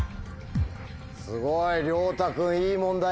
すごい。